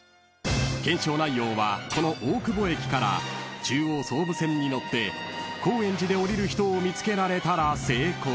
［検証内容はこの大久保駅から中央・総武線に乗って高円寺で降りる人を見つけられたら成功］